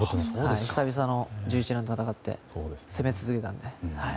久々の１１ラウンドを戦って攻め続けたので。